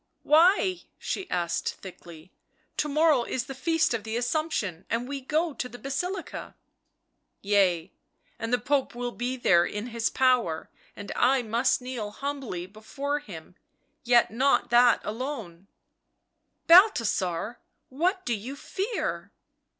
"Why?" she asked quickly. "To morrow is the Feast of the Assumption and we go to the Basilica." " Yea, and the Pope will be there in his power and I must kneel humbly before him — yet not that alone "" Balthasar ! what do you fear